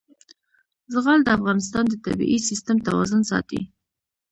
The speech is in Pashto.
زغال د افغانستان د طبعي سیسټم توازن ساتي.